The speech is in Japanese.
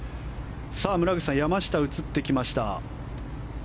村口さん、山下が映ってきました。